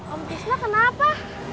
om fisla kenapa